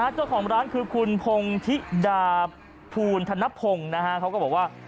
เจ้าของร้านคือคุณพงธิดาภูลธนพงศ์เขาก็บอกว่า